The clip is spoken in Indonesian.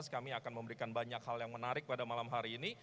kami akan memberikan banyak hal yang menarik pada malam hari ini